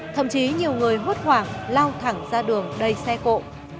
thậm chí nhiều người hốt hoảng lao thẳng ra đường đầy xe cộ